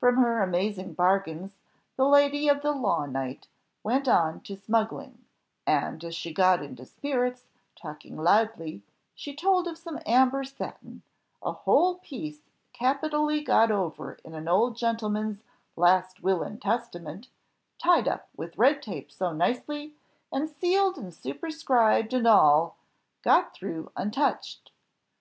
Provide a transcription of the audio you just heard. From her amazing bargains, the lady of the law knight went on to smuggling; and, as she got into spirits, talking loudly, she told of some amber satin, a whole piece capitally got over in an old gentleman's "Last Will and Testament," tied up with red tape so nicely, and sealed and superscribed and all, got through untouched!